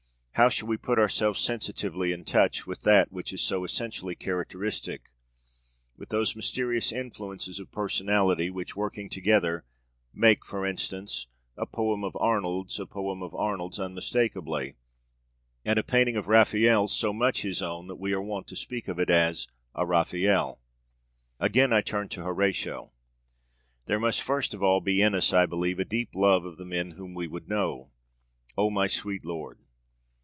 How shall we put ourselves sensitively in touch with that which is so essentially characteristic; with those mysterious influences of personality which, working together, make, for instance, a poem of Arnold's a poem of Arnold's unmistakably, and a painting of Raphael's so much his own that we are wont to speak of it as 'a Raphael'? Again I turn to Horatio. There must first of all be in us, I believe, a deep love of the men whom we would know 'O my sweet lord!'